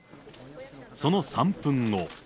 その３分後。